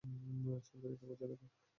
সরকারি কাগজে লেখা।